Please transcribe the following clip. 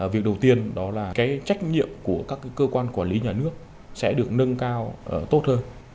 việc đầu tiên đó là cái trách nhiệm của các cơ quan quản lý nhà nước sẽ được nâng cao tốt hơn